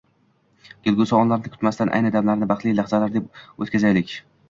Kelgusi onlarni kutmasdan, ayni damlarni baxtli lahzalar deb o‘tkazaylik.